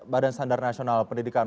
badan standar nasional pendidikan